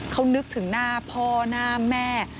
เขานึกถึงหน้าพ่อหน้าแม่